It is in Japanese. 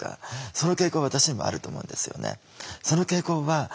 その傾向私にもあると思うんですよね。